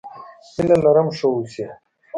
هيله لرم ښه اوسې!